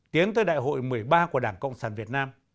tiến tới đại hội một mươi ba của đảng cộng sản việt nam